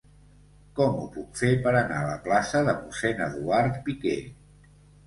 Com ho puc fer per anar a la plaça de Mossèn Eduard Piquer?